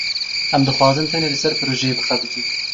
Em dixwazin tenê li ser projeyê bixebitin.